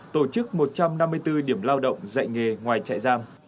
tổ chức một trăm năm mươi bốn điểm lao động dạy nghề ngoài chạy giam